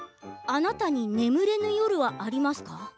あなたは眠れぬ夜はありますか？